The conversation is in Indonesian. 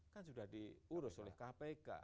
kan sudah diurus oleh kpk